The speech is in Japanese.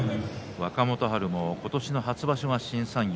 若元春も今年の初場所は新三役。